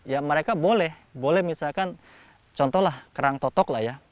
ya mereka boleh boleh misalkan contohlah kerang totok lah ya